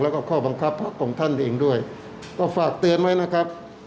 แล้วก็ข้อบังคับพักของท่านเองด้วยก็ฝากเตือนไว้นะครับ